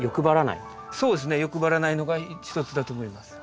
そうですね。欲張らないのが一つだと思います。